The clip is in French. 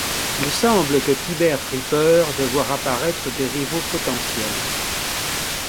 Il semble que Tibère prit peur de voir apparaître des rivaux potentiels.